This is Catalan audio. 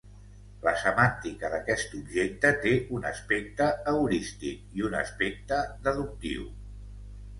La semàntica d'aquest objecte té un aspecte heurístic i un aspecte deductiu.